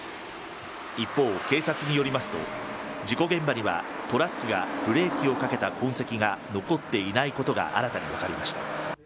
一方、警察によりますと、事故現場には、トラックがブレーキをかけた痕跡が残っていないことが新たに分かりました。